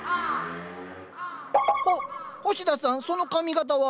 ほ星田さんその髪形は。